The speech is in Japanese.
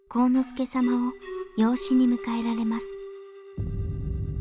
助様を養子に迎えられます